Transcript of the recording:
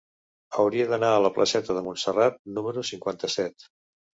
Hauria d'anar a la placeta de Montserrat número cinquanta-set.